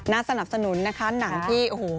น่าสนับสนุนนะคะหนังที่โห